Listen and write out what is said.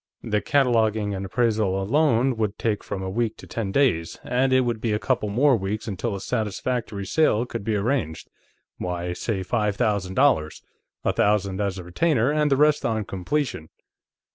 The cataloguing and appraisal alone would take from a week to ten days, and it would be a couple more weeks until a satisfactory sale could be arranged. Why, say five thousand dollars; a thousand as a retainer and the rest on completion."